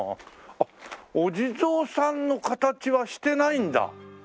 あっお地蔵さんの形はしてないんだ。